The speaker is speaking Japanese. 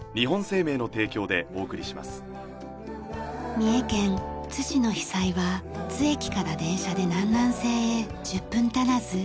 三重県津市の久居は津駅から電車で南南西へ１０分足らず。